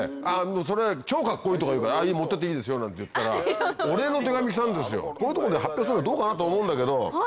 「それ超カッコいい」とか言うから「持ってっていいですよ」なんて言ったらお礼の手紙来たんですよこういうとこで発表すんのどうかなと思うんだけど。